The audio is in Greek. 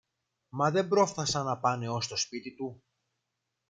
Μα δεν πρόφθασαν να πάνε ως το σπίτι του